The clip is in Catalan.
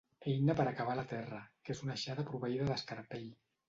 Eina per a cavar la terra, que és una aixada proveïda d'escarpell.